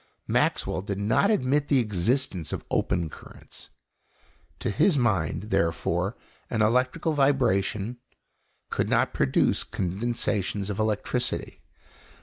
Maxwell did not admit the existence of open currents. To his mind, therefore, an electrical vibration could not produce condensations of electricity.